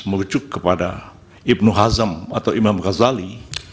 merujuk kepada ibn hazm atau imam ghazali